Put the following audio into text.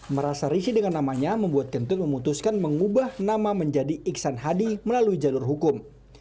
merasa risih dengan namanya membuat kentut memutuskan mengubah nama menjadi iksan hadi melalui jalur hukum